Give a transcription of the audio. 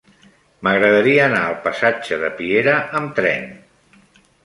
M'agradaria anar al passatge de Piera amb tren.